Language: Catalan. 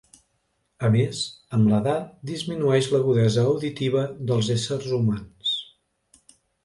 A més, amb l'edat, disminueix l'agudesa auditiva dels éssers humans.